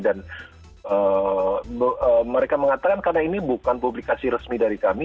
dan mereka mengatakan karena ini bukan publikasi resmi dari kami